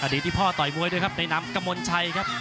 ดีที่พ่อต่อยมวยด้วยครับในนามกระมวลชัยครับ